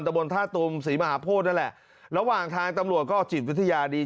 บนท่าตูมศรีมหาโพธินั่นแหละระหว่างทางตำรวจก็จิตวิทยาดี